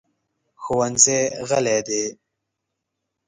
ښوونځی غلی دی.